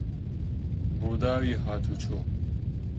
ڕووداوی هاتووچۆ